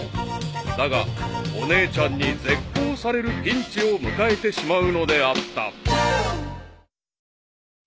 ［だがお姉ちゃんに絶交されるピンチを迎えてしまうのであった］